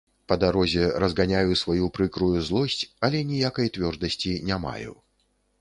Па дарозе разганяю сваю прыкрую злосць, але ніякай цвёрдасці не маю.